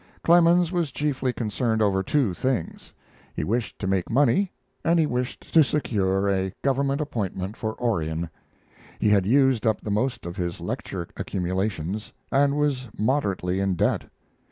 Clemens was chiefly concerned over two things: he wished to make money and he wished to secure a government appointment for Orion. He had used up the most of his lecture accumulations, and was moderately in debt.